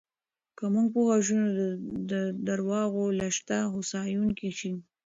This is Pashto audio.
که موږ پوه شو، نو د درواغو له شته هوسایونکی شي.